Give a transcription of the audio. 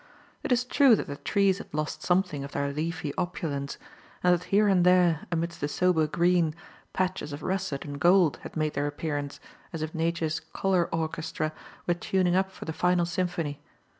It is true that the trees had lost something of their leafy opulence, and that here and there, amidst the sober green, patches of russet and gold had made their appearance, as if Nature's colour orchestra were tuning up for the final symphony.